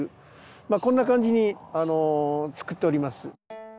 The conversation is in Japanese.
まあこんな感じにつくっております。